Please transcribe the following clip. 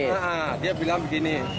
iya dia bilang begini